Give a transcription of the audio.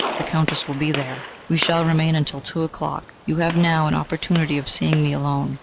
The Countess will be there. We shall remain until two o'clock. You have now an opportunity of seeing me alone.